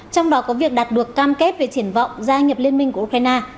trong đó có việc đạt được cam kết về triển vọng gia nhập liên minh của ukraine